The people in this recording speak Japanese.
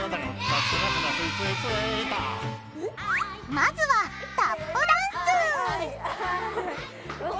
まずはタップダンス！